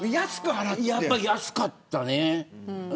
やっぱり安かったね。